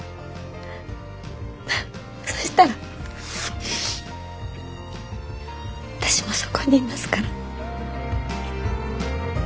フッそしたら私もそこにいますから。